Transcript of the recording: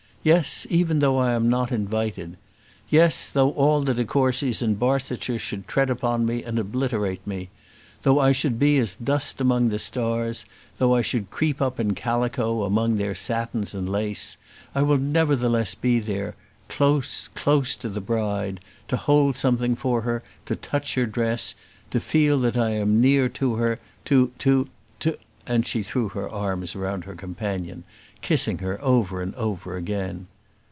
Yes! even though I am not invited. Yes! though all the de Courcys in Barsetshire should tread upon me and obliterate me. Though I should be as dust among the stars, though I should creep up in calico among their satins and lace, I will nevertheless be there; close, close to the bride; to hold something for her, to touch her dress, to feel that I am near to her, to to to " and she threw her arms round her companion, and kissed her over and over again.